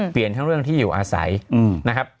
ทั้งเรื่องที่อยู่อาศัยนะครับ